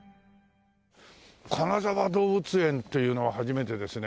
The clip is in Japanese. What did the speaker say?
金沢動物園っていうのは初めてですね。